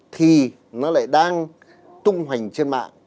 thì nó lại đang tung hoành trên mạng